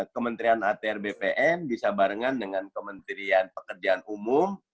kementerian atr bpn bisa barengan dengan kementerian pekerjaan umum